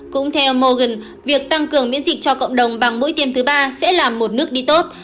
cũng theo morgan việc tăng cường miễn dịch cho cộng đồng bằng mũi tiêm thứ ba sẽ là một nước đi tốt